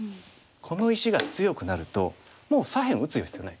この石が強くなるともう左辺打つ必要ない。